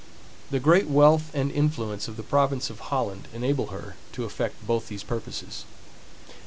The great wealth and influence of the province of Holland enable her to effect both these purposes.